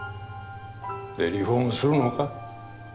でリフォームするのか？